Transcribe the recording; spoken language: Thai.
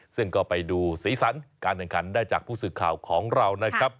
ซึ่งก็ไปดูสีสันการแข่งขันได้จากผู้สื่อข่าวของเรานะครับ